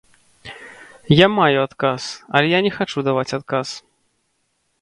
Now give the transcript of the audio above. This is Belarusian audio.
Я маю адказ, але я не хачу даваць адказ.